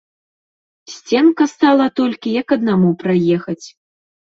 Сценка стала толькі як аднаму праехаць.